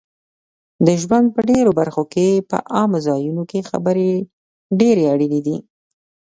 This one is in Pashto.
د ژوند په ډېرو برخو کې په عامه ځایونو کې خبرې ډېرې اړینې دي